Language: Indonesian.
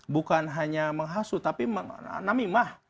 bukan hanya menghasut tapi namimah